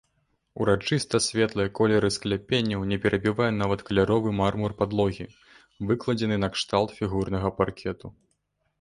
Урачыста светлыя колеры скляпенняў не перабівае нават каляровы мармур падлогі, выкладзены накшталт фігурнага паркету.